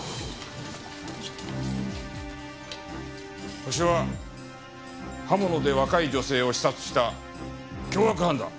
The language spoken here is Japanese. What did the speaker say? ホシは刃物で若い女性を刺殺した凶悪犯だ。